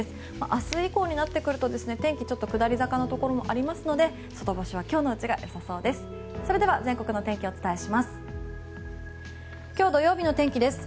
明日以降になってくると天気が下り坂のところもありますので外干しは今日のうちが良さそうです。